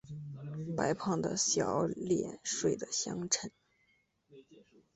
白胖的小脸睡的香沉